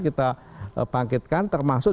kita bangkitkan termasuk